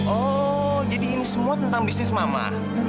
oh jadi ini semua tentang bisnis mama